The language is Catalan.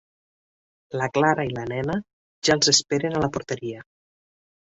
La Clara i la nena ja els esperen a la porteria.